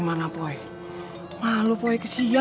nih lah kleinnya udah udah